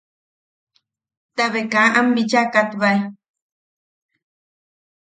Tabe ka aman bicha katbae.